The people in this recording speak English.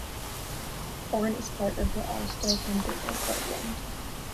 Horn is part of the Alstoe hundred of Rutland.